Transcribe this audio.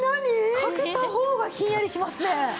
掛けた方がひんやりしますね。